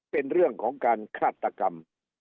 เป็นเรื่องของการฆาตกรรม